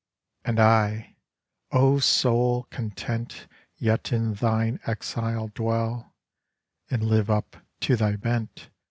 And I, 'O Soul, content Yet in thine exile dwell, And live up to thy bent.